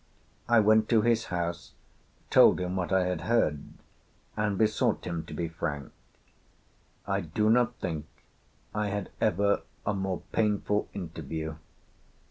I went to his house, told him what I had heard, and besought him to be frank. I do not think I had ever a more painful interview.